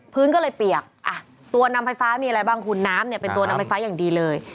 พื้นก็เลยเปียกตัวนำไฟฟ้ามีอะไรบ้างคุณน้ำเนี่ยเป็นตัวนำไฟฟ้าอย่างดีเลย